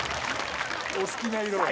お好きな色を。